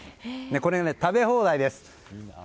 これ、食べ放題です。